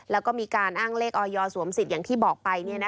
แล้วก็มีการอ้างเลขออยสวมสิทธิ์อย่างที่บอกไป